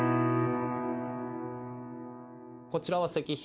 こちらは石碑。